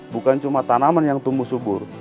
bukan cuma tanaman yang tumbuh subur